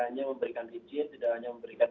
hanya memberikan izin tidak hanya memberikan